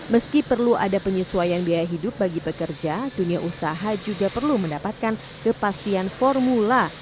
meski perlu ada penyesuaian biaya hidup bagi pekerja dunia usaha juga perlu mendapatkan kepastian formula